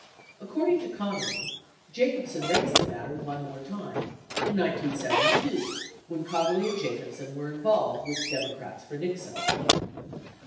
According to Connally, Jacobsen raised the matter one more time — in 1972 when Connally and Jacobsen were involved with Democrats for Nixon.